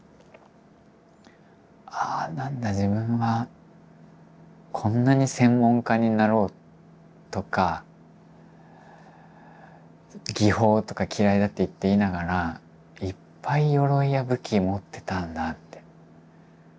ああなんだ自分はこんなに専門家になろうとか技法とか嫌いだって言っていながらいっぱいよろいや武器持ってたんだって。